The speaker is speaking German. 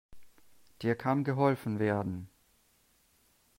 Dir kann geholfen werden.